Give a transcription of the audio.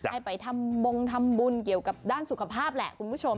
ให้ไปทำบงทำบุญเกี่ยวกับด้านสุขภาพแหละคุณผู้ชม